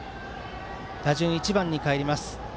打順は１番にかえります。